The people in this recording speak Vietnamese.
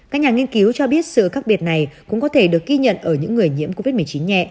các nhà nghiên cứu cho biết sự khác biệt này cũng có thể được ghi nhận ở những người nhiễm covid một mươi chín nhẹ